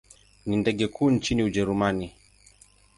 Ni ndege kuu nchini Ujerumani.